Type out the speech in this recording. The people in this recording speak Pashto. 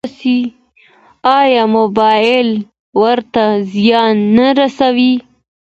ایا موبایل ورته زیان نه رسوي؟